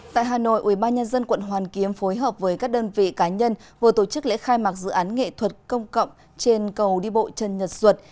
tại hà nội ubnd quận hoàn kiếm phối hợp với các đơn vị cá nhân vừa tổ chức lễ khai mạc dự án nghệ thuật công cộng trên cầu đi bộ trần nhật duật